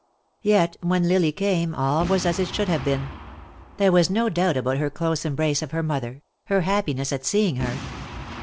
Yet when Lily came all was as it should have been. There was no doubt about her close embrace of her mother, her happiness at seeing her.